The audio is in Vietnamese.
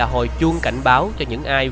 hội chuông cảnh báo cho những ai